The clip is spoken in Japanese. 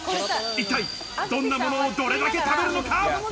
一体どんなものをどれだけ食べるのか？